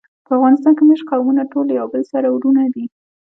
په افغانستان کې مېشت قومونه ټول یو له بله سره وروڼه دي.